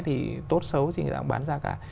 thì tốt xấu thì người ta cũng bán ra cả